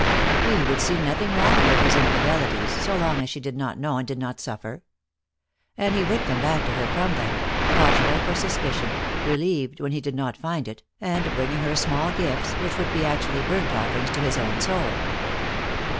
He would see nothing wrong in his infidelities, so long as she did not know and did not suffer. And he would come back to her from them, watchful for suspicion, relieved when he did not find it, and bringing her small gifts which would be actually burnt offerings to his own soul.